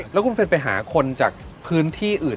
แล้วคุณเฟรนไปหาคนจากพื้นที่อื่น